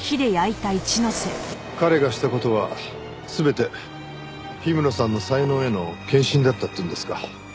彼がした事は全て氷室さんの才能への献身だったって言うんですか？